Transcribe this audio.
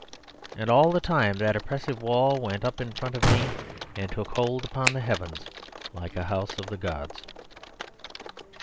And all the time that oppressive wall went up in front of me, and took hold upon the heavens like a house of the gods.